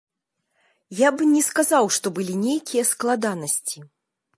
Я б не сказаў, што былі нейкія складанасці.